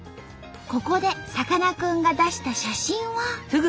ここでさかなクンが出した写真は。